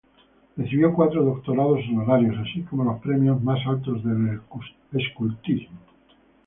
Recibió cuatro doctorados honorarios, así como los premios más altos del escultismo.